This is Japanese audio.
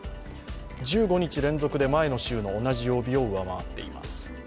１５日連続で前の週の同じ曜日を上回っています。